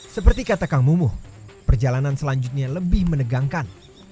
seperti kata kang mumuh perjalanan selanjutnya lebih menegangkan